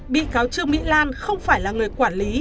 bị cáo trương mỹ lan không phải là người quản lý